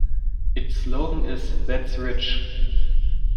Its slogan is That's Rich!